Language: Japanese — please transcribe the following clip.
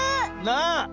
なあ。